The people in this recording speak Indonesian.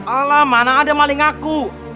alah mana ada maling aku